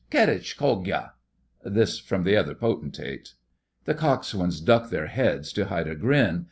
Kerritch hogya.' This from the other potentate. The coxswains duck their heads to hide a grin.